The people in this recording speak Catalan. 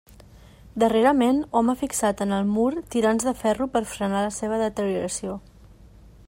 Darrerament hom ha fixat en el mur tirants de ferro per frenar la seva deterioració.